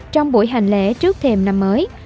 trong buổi hành lễ trước thềm năm mới